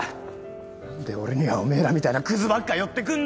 何で俺にはおめえらみたいなクズばっか寄ってくんだよ。